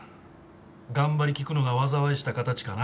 頑張りきくのが災いした形かな。